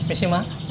ini sih mak